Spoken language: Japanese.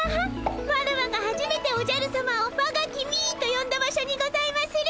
ワラワがはじめておじゃるさまを「わが君」とよんだ場所にございまする！